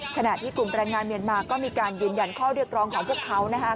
ขณะที่กลุ่มแรงงานเมียนมาก็มีการยืนยันข้อเรียกร้องของพวกเขา